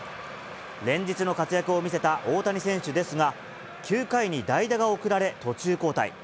連日の活躍を見せた大谷選手ですが、９回に代打が送られ、途中交代。